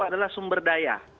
adalah sumber daya